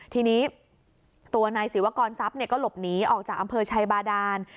ทีนี้ตัวนายศิวกรทรัพย์ก็หลบหนีออกจากอำเภอชัยบาดาน